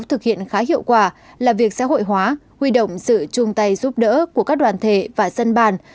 thực hiện khá hiệu quả là việc xã hội hóa huy động sự chung tay giúp đỡ của các đoàn thể và dân bàn